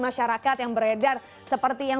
apa yang terjadi